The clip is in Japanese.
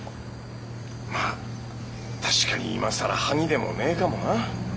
まっ確かに今更萩でもねえかもな。